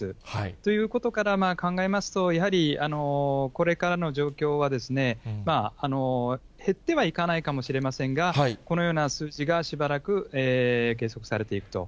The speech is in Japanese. ということから考えますと、やはりこれからの状況は、減ってはいかないかもしれませんが、このような数値がしばらく継続されていくと。